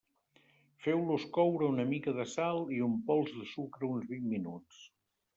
Feu-les coure amb una mica de sal i un pols de sucre uns vint minuts.